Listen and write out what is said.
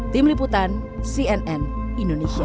tim liputan cnn indonesia